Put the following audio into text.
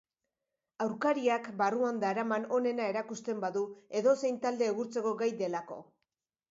Aurkariak barruan daraman onena erakusten badu edozein talde egurtzeko gai delako.